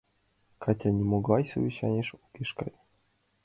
Катя нимогай совещанийыш огеш кай.